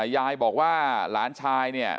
ยายบอกว่าหลานชาย